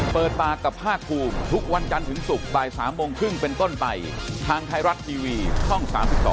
เปิดปากกับภาคภูมิทุกวันจันทร์ถึงศุกร์บ่าย๓โมงครึ่งเป็นต้นไปทางไทยรัฐทีวีช่อง๓๒